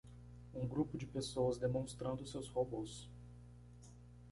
Um grupo de pessoas demonstrando seus robôs.